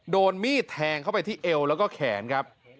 โดนมีดแทงเข้าไปที่เอวแล้วก็แขนครับ